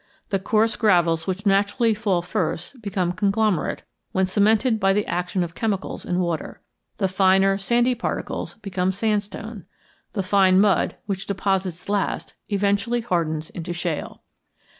The coarse gravels which naturally fall first become conglomerate when cemented by the action of chemicals in water. The finer sandy particles become sandstone. The fine mud, which deposits last, eventually hardens into shale.